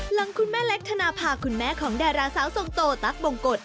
หลังคุณแม่เล็กธนภาคุณแม่ของดาราสาวทรงโตตั๊กบงกฎ